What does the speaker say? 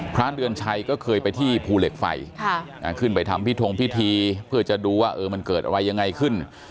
พระเดือนชัยก็เคยไปที่ภูเหล็กไฟขึ้นไปทำพิธงพิธีเพื่อจะดูว่ามันเกิดอะไรยังไงขึ้น